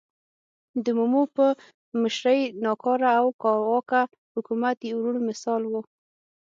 د مومو په مشرۍ ناکاره او کاواکه حکومت یو روڼ مثال و.